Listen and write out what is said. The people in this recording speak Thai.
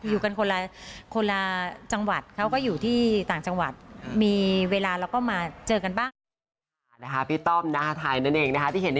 อยู่กันคนละจังหวัดเขาก็อยู่ที่ต่างจังหวัดมีเวลาเราก็มาเจอกันบ้าง